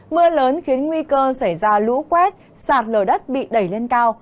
mưa lớn khiến nguy cơ xảy ra lũ quét sạt lở đất bị đẩy lên cao